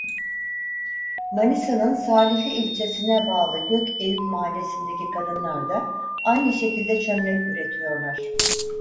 Manisa'nın Salihli ilçesine bağlı Gökeyüp mahallesindeki kadınlar da aynı şekilde çömlek üretiyorlar.